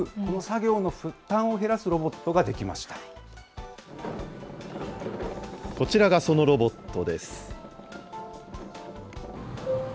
この作業の負担を減らすこちらがそのロボットです。